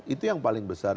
itu yang paling besar